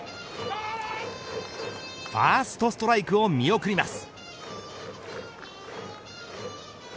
ファーストストライクを見送ります。